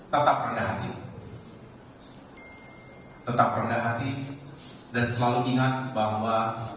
tetap rendah hati tetap rendah hati dan selalu ingat bahwa